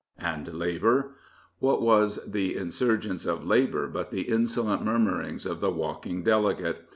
And Labour? What was the insurgence of Labour but the insolent murmurings of the Walking Delegate